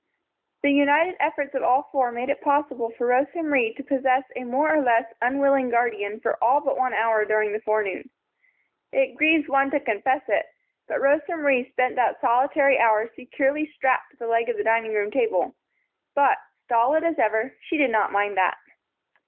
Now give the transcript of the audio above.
The united efforts of all four made it possible for Rosa Marie to possess a more or less unwilling guardian for all but one hour during the forenoon. It grieves one to confess it, but Rosa Marie spent that solitary hour securely strapped to the leg of the dining room table; but, stolid as ever, she did not mind that.